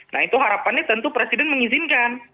nah itu harapannya tentu presiden mengizinkan